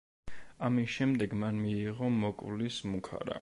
ამის შემდეგ მან მიიღო მოკვლის მუქარა.